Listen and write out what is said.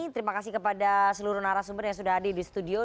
terima kasih kepada seluruh narasumber yang sudah hadir di studio